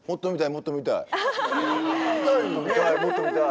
もっと見たい。